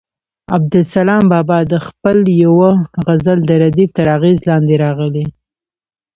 عبدالسلام بابا د خپل یوه غزل د ردیف تر اغېز لاندې راغلی.